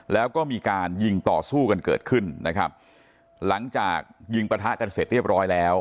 แล้วก็มีการยิงต่อสู้กันเกิดขึ้นนะครับหลังจากยิงปะทะกันเสร็จเรียบร้อยแล้ว